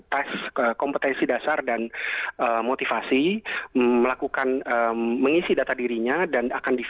tes kompetensi dasar dan motivasi mengisi data dirinya dan akan difilm